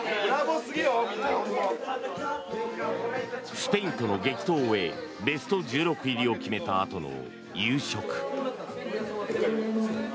スペインとの激闘を終えベスト１６入りを決めたあとの夕食。